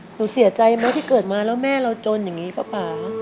หนูเสียใจไหมที่เกิดมาแล้วแม่เราจนอย่างนี้ป๊า